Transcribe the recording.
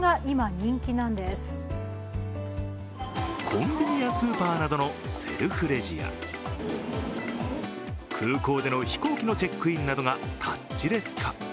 コンビニやスーパーなどのセルフレジや空港での飛行機のチェックインなどがタッチレス化。